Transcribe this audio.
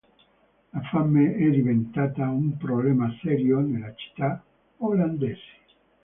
La fame è diventata un problema serio nelle città olandesi.